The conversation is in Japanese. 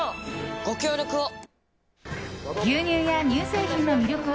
ご協力を。